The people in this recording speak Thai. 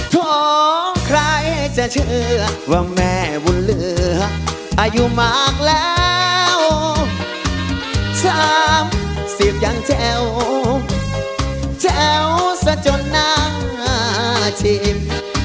โถใครจะเชื่อว่าแม่วุ่นเหลืออายุมากแล้วสามสิบยังเจ๋วเจ๋วสะจนนาชีพ